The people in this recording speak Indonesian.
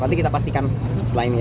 nanti kita pastikan setelah ini